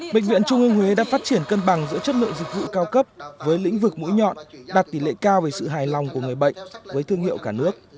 bệnh viện trung ương huế đã phát triển cân bằng giữa chất lượng dịch vụ cao cấp với lĩnh vực mũi nhọn đạt tỷ lệ cao về sự hài lòng của người bệnh với thương hiệu cả nước